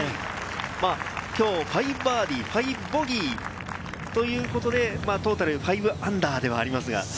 きょう５バーディー、５ボギーということで、トータル−５ではありますが。